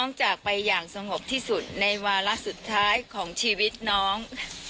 จากไปอย่างสงบที่สุดในวาระสุดท้ายของชีวิตน้อง